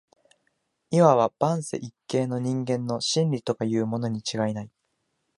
謂わば万世一系の人間の「真理」とかいうものに違いない